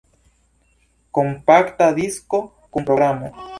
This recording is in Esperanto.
Kompakta disko kun programo.